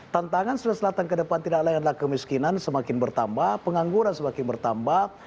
tantangan sulawesi selatan ke depan tidak lain adalah kemiskinan semakin bertambah pengangguran semakin bertambah